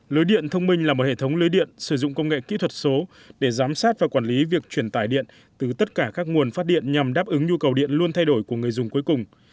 lưới điện thông minh là một hệ thống lưới điện sử dụng công nghệ kỹ thuật số để giám sát và quản lý việc truyền tải điện từ tất cả các nguồn phát điện nhằm đáp ứng nhu cầu điện luôn thay đổi của người dùng cuối cùng